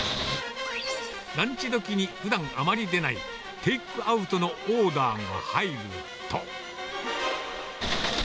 ランチどきにふだんあまり出ないテイクアウトのオーダーが入ると。